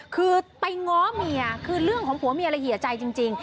คือไปง้อเมียคือเรื่องของผัวเมียละเหยียใจจริง